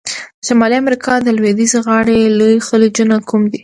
د شمالي امریکا د لویدیځه غاړي لوی خلیجونه کوم دي؟